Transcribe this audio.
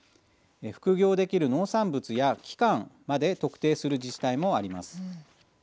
副業できる農産物や期間まで特定する自治体もあります。